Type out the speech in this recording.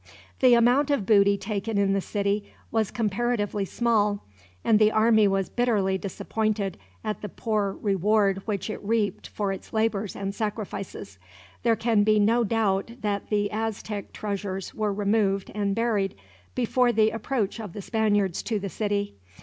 The amount of booty taken in the city was comparatively small, and the army was bitterly disappointed at the poor reward which it reaped for its labors and sacrifices. There can be no doubt that the Aztec treasures were removed and buried, before the approach of the Spaniards to the city.